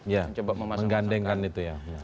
ya menggandengkan itu ya